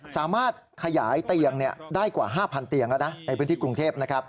สามารถขยายเตียงได้กว่า๕๐๐เตียงแล้วนะในพื้นที่กรุงเทพ